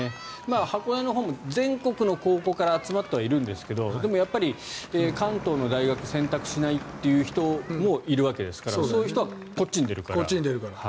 箱根のほうも全国の高校から集まってはいるんですが関東の大学を選択しない人もいるわけですからそういう人はこっちに出るから。